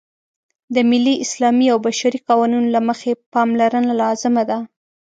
د ملي، اسلامي او بشري قوانینو له مخې پاملرنه لازمه ده.